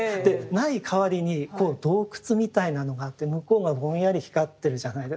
ない代わりに洞窟みたいなのがあって向こうがぼんやり光ってるじゃないですか。